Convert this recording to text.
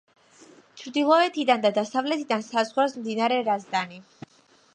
ჩრდილოეთიდან და დასავლეთიდან საზღვრავს მდინარე რაზდანი.